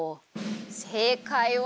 せいかいは。